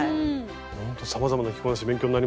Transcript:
ほんとさまざまな着こなし勉強になりました。